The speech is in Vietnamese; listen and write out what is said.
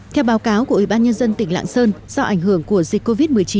theo báo cáo của ủy ban nhân dân tỉnh lạng sơn do ảnh hưởng của dịch covid một mươi chín